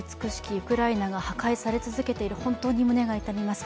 ウクライナが破壊され続けている、本当に胸が痛みます。